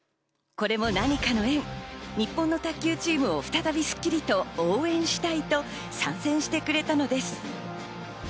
これも何かの縁、日本の卓球チームを再び『スッキリ』と応援したいと、参戦してくれたのです。